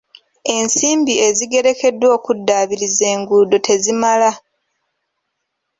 Ensimbi ezigerekeddwa okuddaabiriza enguudo tezimala.